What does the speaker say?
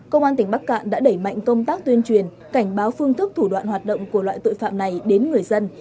công an tỉnh bắc cạn đã đẩy mạnh công tác tuyên truyền cảnh báo phương thức thủ đoạn hoạt động của loại tội phạm này đến người dân